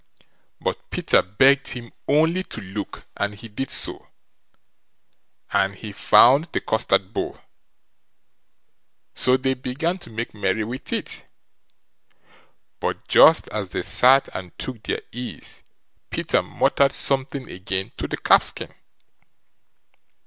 But Peter begged him only to look, and he did so; and he found the custard bowl. So they began to make merry with it, but just as they sat and took their ease, Peter muttered something again to the calfskin.